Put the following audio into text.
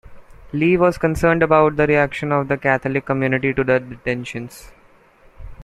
Lee was concerned about the reaction of the Catholic community to the detentions.